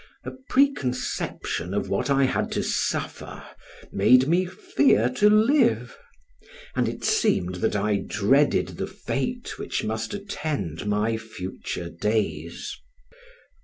A preconception of what I had to suffer made me fear to live, and it seemed that I dreaded the fate which must attend my future days.